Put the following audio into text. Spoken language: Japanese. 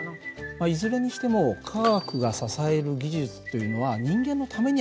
まあいずれにしても科学が支える技術というのは人間のためにあるんだよね。